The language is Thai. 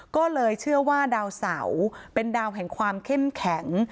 ก็เลยเชื่อว่าดาวเสาเป็นดาวแห่งความเข้มแข็ง